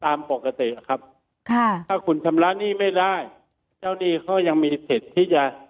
ตามปกติครับค่ะถ้าคุณชำระหนี้ไม่ได้เจ้าหนี้เขายังมีสิทธิ์ที่จะ